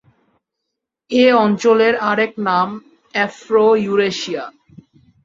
এ অঞ্চলের আরেক নাম আফ্রো-ইউরেশিয়া।